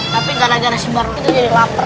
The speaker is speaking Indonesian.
tapi gara gara si baru itu jadi lapar